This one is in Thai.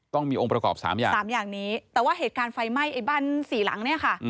ต้องมีองค์ประกอบ๓อย่าง๓อย่างนี้แต่ว่าเหตุการณ์ไฟไหม้ไอ้บ้านสี่หลังเนี่ยค่ะ